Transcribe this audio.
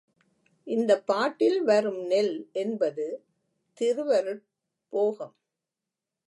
இந்தப் பாட்டில் வரும் நெல் என்பது திருவருட் போகம்.